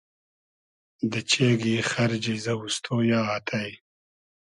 دۂ چېگی خئرجی زئووستۉ یۂ آتݷ